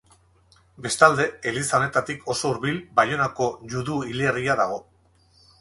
Bestalde, eliza honetatik oso hurbil Baionako judu hilerria dago.